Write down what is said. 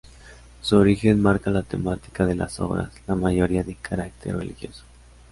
Su origen marca la temática de las obras, la mayoría de carácter religioso.